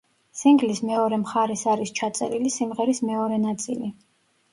სინგლის მეორე მხარეს არის ჩაწერილი სიმღერის მეორე ნაწილი.